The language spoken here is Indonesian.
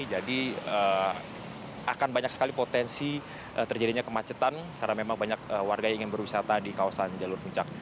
jadi akan banyak sekali potensi terjadinya kemacetan karena memang banyak warga yang ingin berwisata di kawasan jalur puncak